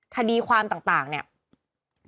คดีความต่างเนี่ย